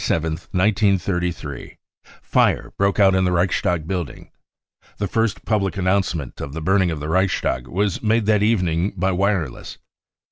15 in the evening of February 27th, 1933, fire broke out in the Reichstag building. The first public announcement of the burning of the Reichstag was made that evening by wireless.